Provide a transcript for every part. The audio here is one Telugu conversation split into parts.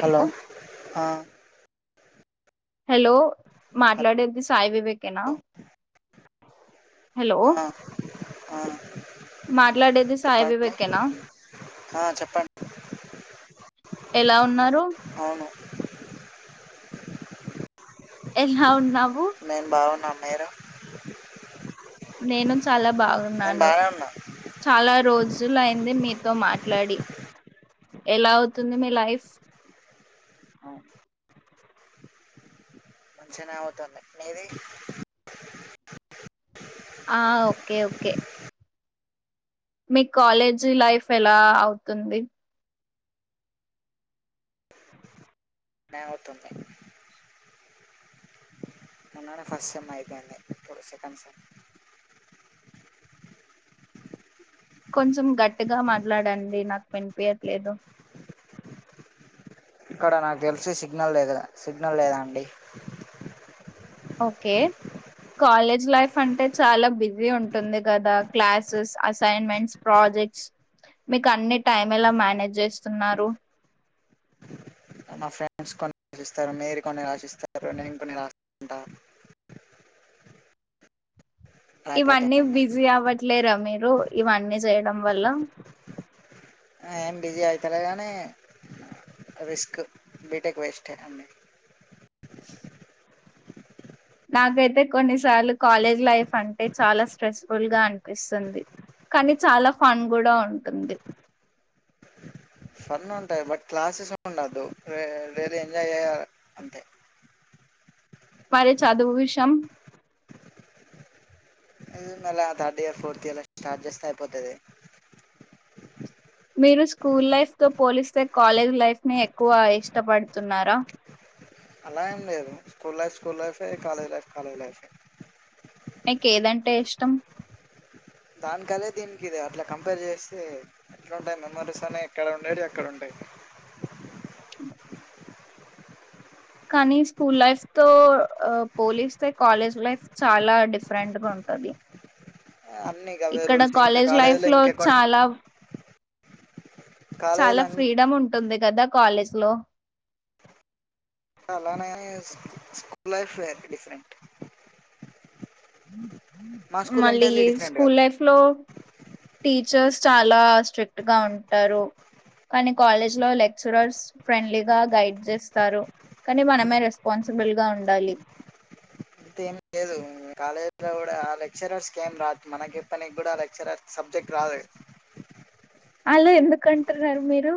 హలో ఆ హలో మాట్లాడేది సాయి వివేక్ కేనా హాలో ఆ ఆ మాట్లాడేది సాయి వివేకేనా హా చెప్పండి ఎలా ఉన్నారూ అవును. ఎలా వున్నావు? నేను బాగున్నా మీరు? నేను చాలా బా నేను బాగున్నాను బాగానే ఉన్నా చాలా రోజ్ జులైంది మీతో మాట్లాడి ఎలా అవుతుంది మీ లైఫ్ అ మంచిగనే అవుతుంది మీది ఆ ఒకే ఒకే మీ కాలేజ్ లైఫ్ ఎలా అవుతుంది. [inaudible] అవుతుంది మొన్ననే ఫస్ట్ సెమ్ అయిపోయింది ఇప్పుడు సెకండ్ సెమ్ కొంచం గట్టిగా మాట్లాడండి నాకు వినిపీయట్లేదు. ఇక్కడ నాకు తెల్సి సిగ్నల్ లేదు సిగ్నల్ లేదండి ఓకే కాలేజ్ లైఫ్ అంటే చాలా బిజీ ఉంటుంది కదా క్లాసెస్, అసైన్మెంట్స్, ప్రాజెక్ట్స్ మీకు అన్ని టైం ఎలా మేనేజ్ చేస్తున్నారు. మా ఫ్రెండ్స్ కొన్ని రాసిస్తారు. మీరు కొన్ని రాసిస్తారు సిస్తారు నేన్ కొన్ని డా ఇవన్నీ అన్ని బిజీ అవ్వట్లేరా మీరు ఇవన్నీ చేయడం వల్ల ఏం బిజీ అయితలే కనీ రిస్క్ బీటెక్ వేస్ట్ ఏ అండి నాకైతే కొన్నిసార్లు కాలేజ్ లైఫ్ అంటే చాలా స్ట్రెస్ఫుల్గా అనిపిస్తుంది. కానీ చాలా ఫన్ కూడా ఉంటుంది ఫన్ ఉంటాయి బట్ క్లాసెస్ ఉండద్దు వేరే ఎంజాయ్ చేయాలి అంతే మరి చదువు విషం మళ్ళ third year fourth year start చేస్తే అయిపోతది. మీరు స్కూల్ లైఫ్ తో పోలిస్తే కాలేజ్ లైఫ్ని ఎక్కువ ఇష్టపడుతున్నారా అలా ఏం లేదు స్కూల్ లైఫ్ స్కూల్ లైఫే కాలేజ్ లైఫ్ కాలేజ్ లైఫే మీకేదంటే ఇష్టం దానికి అదే దీనికి ఇదే అట్లా కంపేర్ చేస్తే ఎట్లాంటయి మెమోరీస్ అనే ఎక్కడ ఉండేటి అక్కడ ఉంటాయి కానీ స్కూల్ లైఫ్ తో పోలిస్తే కాలేజ్ లైఫ్ చాలా డిఫరెంట్గా ఉంటది. అన్ని గవే ఇక్కడ రూల్స్ ఇంకా కాలేజ్ కాలేజీలో లైఫ్లో ఇంకెకొన్ని చాలా చాలా కాలేజీలో అ ఫ్రీడమ్ ఉంటుంది కదా కాలేజ్లో అలానే స్కూల్ లైఫ్ వేరు డిఫరెంట్ మా స్కూల్ మళ్ళీ ఎంటైర్లీ డిఫరెంట్ కదా స్కూల్ లైఫ్లో టీచర్స్ చాలా స్ట్రిక్ట్ గా ఉంటారు కానీ కాలేజ్లో లెక్చరర్స్ ఫ్రెండ్లీగా గైడ్ చేస్తారు. కానీ మనమే రెస్పాన్సిబుల్గా ఉండాలి. అంత ఏం లేదు కాలేజీలో కూడా ఆ లెక్చరర్స్ కి ఏం రాదు మనకి చెప్పనికి కూడా లెక్చరర్ సబ్జెక్ట్ రాదు అలా ఎందుకుంటున్నారు మీరు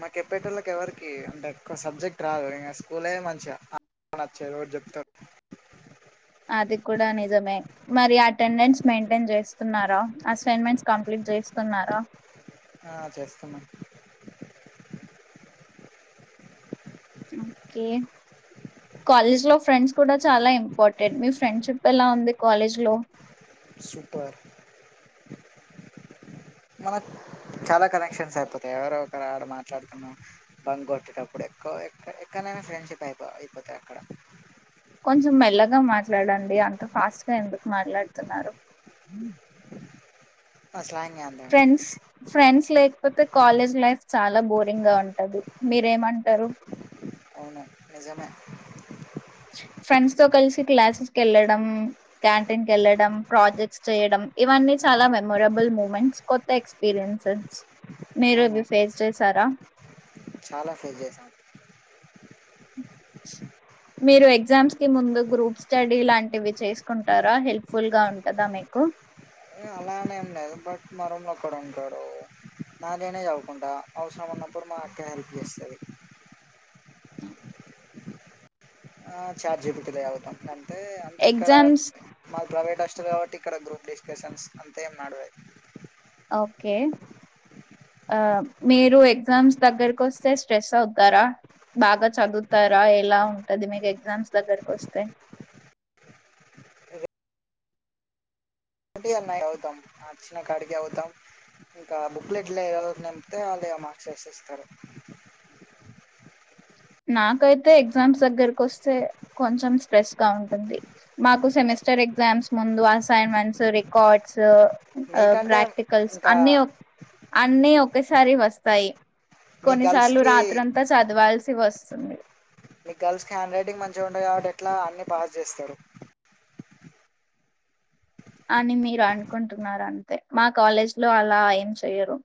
మాకు ఎప్పటి వాళ్ళకి ఎవరికి అంటే ఎవ సబ్జెక్ట్ రాదు ఇంక స్కూల్ మంచిగా నచ్చేది ఎ చెప్త అది కూడా నిజమే, మరి అటెండెన్స్ మెయింటైన్ చేస్తున్నారా, అసైన్మెంట్స్ కంప్లీట్ చేస్కున్నారా ఆ చేస్తాన్నా ఓకే కాలేజ్ లో ఫ్రెండ్స్ కూడా చాలా ఇంపార్టెంట్ మీ ఫ్రెండ్షిప్ ఎలా ఉంది కాలేజ్ లో పర్ మన చాలా కనెక్షన్స్ అయిపోతాయి ఎవరో ఒకరు ఆడ మాట్లాడుతున్నా బంగ్ కొట్టేటప్పుడు ఎవ ఎక్కడనైనా ఫ్రెండ్షిప్ అయిపో అయిపోతాారు అక్కడ కొంచెం మెల్లగా మాట్లాడండి అంత ఫాస్ట్ గా ఎందుకు మాట్లాడుతున్నారు నా స్లాంగ్ అంతమే ఫ్రెండ్స్ ఫ్రెండ్స్ లైక్ కాపోతే కాలేజ్ లైఫ్ చాలా బోరింగ్ గా ఉంటది మీరేమంటారు అవును నిజమే ఫ్రెండ్స్ తో కలిసి క్లాసెస్ కెళ్ళడం క్యాంటీన్ కు వెళ్ళడం ప్రాజెక్ట్స్ చేయడం ఇవన్నీ చాలా మెమొరబుల్ మూమెంట్స్ కొత్త ఎక్స్పీరియన్సెస్ మీరు అవును ఇవి ఫేస్ చేసారా చాలా ఫేస్ చేసాం మీరు ఎగ్జామ్స్ కి ముందు గ్రూప్ స్టడీ లాంటివి చేసుకుంటారా హెల్ప్ఫుల్గా ఉంటుందా మీకు నానే ఏం లేదు బట్ మా రూమ్లు ఒక్కడ ఉంటాడు నా నేనే చదువుకుంటా అవసరం ఉన్నప్పుడు మా అక్క హెల్ప్ చేస్తుంది ఆ ఆ చాట్ జిపిటి లో చదువుతా అంతే ఇక్కడ ఎగ్జామ్స్ మా ప్రైవేట్ హస్టర్ కాబట్టి ఇక్కడ గ్రూప్ డిస్కషన్స్ అంతే ఏం నడవే ఓకే ఆ మీరు ఎగ్జామ్స్ దగ్గరకు వస్తే స్ట్రెస్ అవుతారా బాగా చదువుతారా ఎలా ఉంటంది మీకు ఎగ్జామ్స్ దగ్గరకు వస్తే ఒకటి అన్నాయి అవుతాం చిన్న కాడికి అవుతాం ఇంకా బుక్లెట్లు నంపితే వాళ్ళ మార్స్సేస్తారు నాకైతే ఎగ్జామ్స్ దగ్గరకు వస్తే కొంచెం స్ట్రెస్ గా ఉంటుంది మాకు సెమిస్టర్ ఎగ్జామ్స్ ముందు అసైన్మెంట్స్ రికార్డ్స్ మీకంటే ప్రాక్టికల్స్ ఇంకా అన్ని అన్ని ఒక ఒకసారి వస్తాయి మీ గర్ల్స్ కొన్నిసార్లు కి రాత్ర అంతా చదవాల్సి వస్తుంది మీకు గర్ల్స్ కి హ్యాండ్ రైటింగ్ మంచిగా ఉండయి కాబట్టి ఎట్లా అన్ని పాస్ చేస్తాడు అని మీరు అనుకుంటునారు అంతే మా కాలేజ్ లో అలా ఏం చెయ్యరు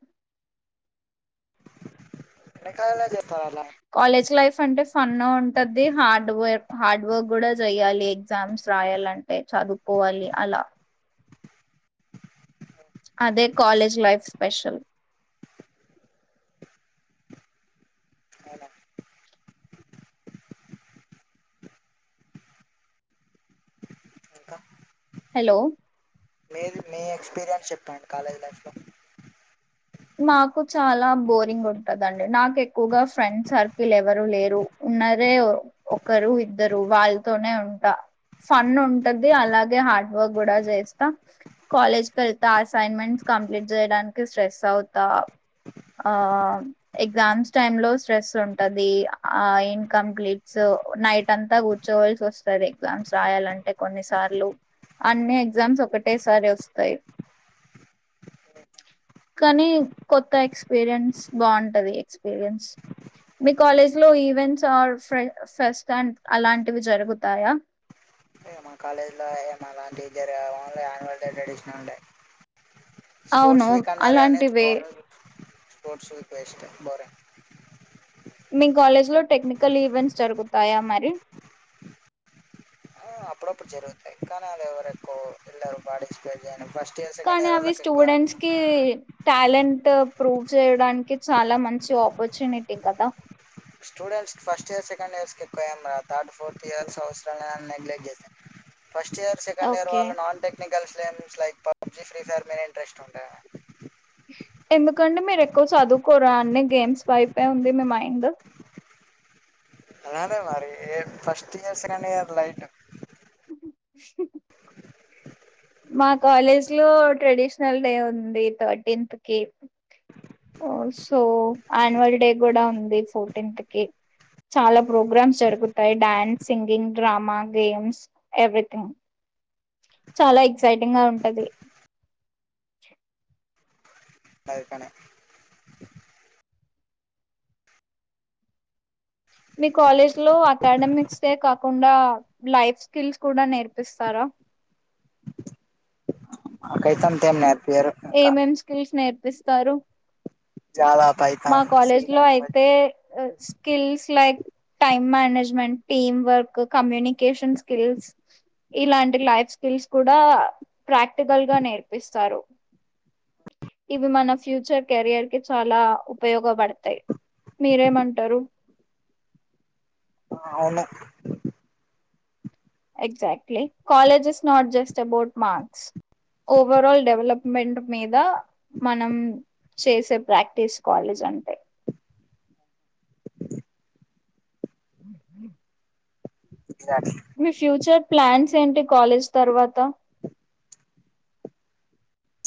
నెకాల జ కాలజ్ లైఫ్ అంటే ఫన్నూ ఉంటది హార్డ్ వర్క్ హార్డ్ వర్క్ కూడా చెయాలి ఎగ్జామ్స్ రాయాలంటే చదువుకోవాలి అల అదే కాాలేజ్ లైఫ్ స్పెషల్ ఇంకా హలో మీరు మీ ఎక్స్పీరియన్స్ చెప్పండి కాలేజ్ లైఫ్ లో మాకు చాలా బోరింగ్ ఉంటదండి నాకు ఎక్కుగా ఫ్రెండ్ సర్కిల్ ఎవరు లేరు ఉన్నరే ఒకరు ఇద్దరు వాళ్ళతోనే ఉంట ఫన్ ఉంటది అలాగే హార్డ్ వర్క్ కూడా చేస్త కాలేజ్ క వెళ్తా అసైన్మెంట్స్ కంప్లీట్ చేయడానికి స్ట్రెస్ అవ్ త ఆ ఎగ్జామ్స్ టైమ్ లో స్ట్రెస్ ఉంటది ఆ ఇన్కంప్లీట్స్ నైట్ అంత కూర్చోవల్సి వస్తంది ఎగ్జామ్స్ రాయాలంటే కొన్నిసార్లు అన్ని ఎగ్జామ్స్ ఒకటేసారి వస్తయి కానీ కొత్త ఎక్స్పీరియన్స్ బావుంటది ఎక్స్పీరియన్స్ మీ కాలేజ్ లో ఈవెంట్స్ ఆర్ ఫెస్ట్ అండ్ అలాంటివి జరుగుతాయా లో మా కాలేజ్ లో య అలాంటివి జరగవ్ only annual day traditional day అవును స్పోర్ట్స్ వీక్ అన్నరు గానీ అలాంటివే [unintelligible] స్పర్ట్స్ ఎక్కువ ఇష్టం బోరె మీ కాలేజ్ లో టెక్నికల్ ఈవెంట్స్ జరుగుతాయా మరి అప్పుడప్పుడు జరుగుతాయి కానీ అది ఎవరు ఎక్కువ వెళ్లరు పాటి స్పెట్స్ చే కానీ అవి స్టూడెంట్స్ కి, టాలెంట్ ప్రూవ్ చేయడానికి చాలా మంచి ఆపర్చునిటీ కదా, students first year second years కి ఎక్కువ ఏం రాదు థర్డ్ ఫోర్త్ ఇయర్స్ అవసరం లేదని, నెగ్లెట్ చేస్తారు, first year second year okay. వాళ్ళు non technical, games like PUBG free fire మీ ఇంట్రెస్ట్ ఉంటది ఎందుకంటే మీరు ఎక్కువ చదువుకోరా అన్ని గేమ్స్ వైపే ఉంది మీ మైండ్, అది అదే మారి ఏ first year second year light, మా కాలేజ్ లో ట్రెడిషనల్ డే ఉంది, థర్టీన్త్ కి సో ఆన్యువల్ డే కూడా ఉంది ఫోర్టీన్త్ కి చాలా ప్రోగ్రామ్స్ జరుగుతాయి dance singing drama games everything, చాలా ఎక్సైటింగ్ గా ఉంటది, ఐ కానే మీ కాలేజ్ లో అకాడమిక్స్ డే కాకుండా లైఫ్ స్కిల్స్ కూడా నేర్పిస్తారా, మాకు అయితే అంత ఏం నేర్ప ఏమేం స్కిల్స్ నేర్పిస్త తరు జావా పైతాన్ సీ ల్యాండ్ అయితే skills like time management team work communication skills ఇలాంటి లైఫ్ స్కిల్స్ కూడా ప్రాక్టికల్ గా నేర్పిస్తారు ఇవి మన ఫ్యూచర్ కెరియర్ కి చాలా, ఉపయోగపడతాయి మీరేమంటారు, ఆ అవును exactly college is not just about marks overall development మీద మనం చేసే ప్రాక్టీస్ కాలేజ్ అంటే, ఎగ్జాక్ట్లీ మీ ఫ్యూచర్ ప్లాన్స్ ఏంటి కాలేజ్ తర్వాత,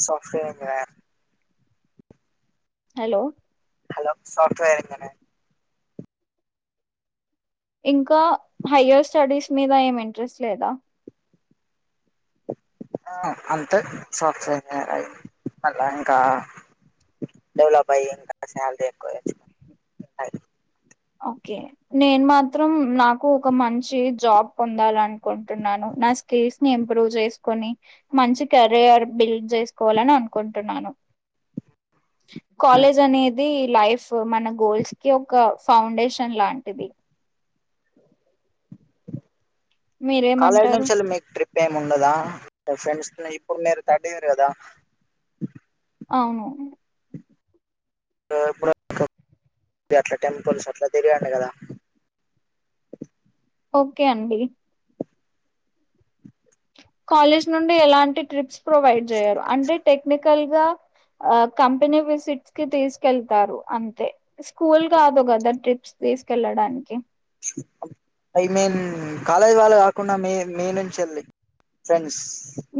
software engineer hello hello software engineer, ఇంకా హయ్యర్ స్టడీస్ మీద ఏమి ఇంట్రెస్ట్ లేదా, అంతే సాఫ్ట్వేర్ ఇంజనీర్ మళ్ళా ఇంకా డెవలప్ అయ్యి ఇంకా సాలరీ ఎక్కువ తెచ్చుకోవడం, ఓకే నేను మాత్రం నాకు ఒక మంచి జాబ్ పొందాలనుకుంటున్నాను నా స్కిల్స్ ని ఇంప్రూవ్ చేసుకొని మంచి కెరియర్ బిల్డ్ చేసుకోవాలని అనుకుంటున్నాను, కాలేజ్ అని ఇది లైఫ్ మన గోల్స్ కి ఒక ఫౌండేషన్ లాంటిది, కాలేజ్ లు మీరేమంటారు నుంచి మీకు ట్రిప్, ట్రిప్ ఏమి ఉండదా ఫ్రెండ్స్ ఇప్పుడు మీరు థర్డ్ ఇయర్ కదా, అవును ఇప్పుడు అట్లా టెంపుల్స్ అట్లా తిరగండి కదా, ఒకే అండి కాలేజ్ నుండి ఎలాంటి ట్రిప్స్ ప్రొవైడ్ జెయ్యరు అంటే టెక్నిక్ కల్ గ కంపెనీ విసిట్స్ కి తీసుకెళ్తారు అంతే స్కూల్ కాదు కదా ట్రిప్స్ తీసుకెళ్ళడానికి కాలేజీ వాళ్ళు కాకుండా మ మీ నుంచి వెళ్ళి ఫ్రెండ్స్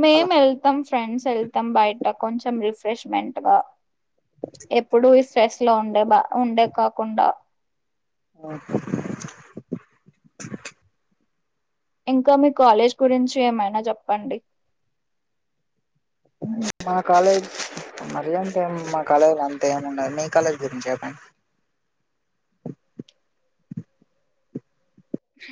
మేం అలా వెళ్తాం ఫ్రెండ్స్ వెళ్తాం బయట కొంచెం రిఫ్రెష్మెంట్ గ ఎప్పుడు ఇస్ పేస్ లో ఉండే బా ఉండే కాకుండ అ హా ఇంకా మీ కాలేజ్ గురించి ఏమైనా చెప్పండి మా కాలేజ్ మరి అంత ఏం మా కాలేజ్లో అంతా ఏమి ఉండదు మీ కాలేజ్ గురించి చెప్పండి స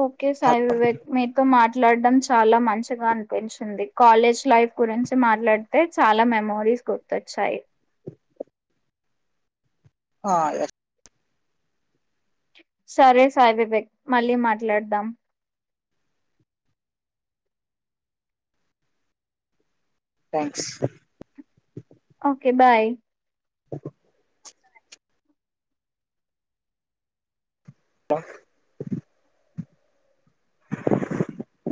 ఓకే సాయి వివేక్ మీతో మా మాట్లాడడం చాలా మంచిగా అనిపించింది కాలేజ్ లైఫ్ గురించి మాట్లాడితే చాలా మెమోరీస్ గుర్తొచ్చాయి ఆ ఎస్ సరే సాయివివేక్ మళ్ళీ మాట్లాడదాం థ్యాంక్స్ ఓకే బాయ్ ఆ